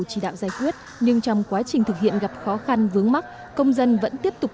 chỉ đạo giải quyết nhưng trong quá trình thực hiện gặp khó khăn vướng mắt công dân vẫn tiếp tục